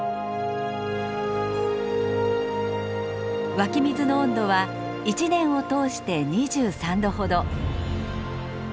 湧き水の温度は一年を通して２３度ほど。